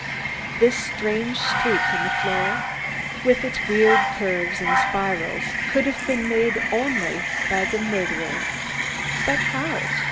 This strange streak in the floor, with its weird curves and spirals, could have been made only by the murderer. But how?